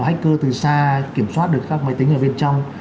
hách cơ từ xa kiểm soát được các máy tính ở bên trong